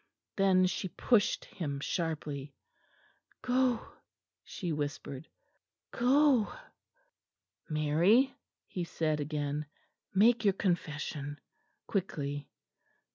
Then she pushed him sharply. "Go," she whispered, "go." "Mary," he said again, "make your confession quickly.